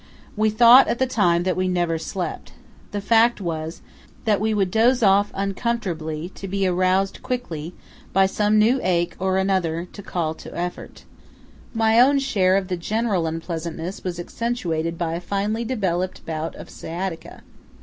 We thought at the time that we never slept. The fact was that we would doze off uncomfortably, to be aroused quickly by some new ache or another call to effort. My own share of the general unpleasantness was accentuated by a finely developed bout of sciatica.